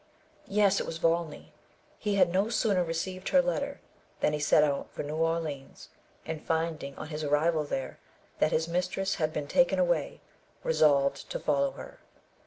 Yes, it was Volney! He had no sooner received her letter, than he set out for New Orleans; and finding on his arrival there, that his mistress had been taken away, resolved to follow her.